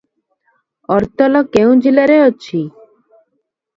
ଅର୍ତଲ କେଉଁ ଜିଲ୍ଲାରେ ଅଛି?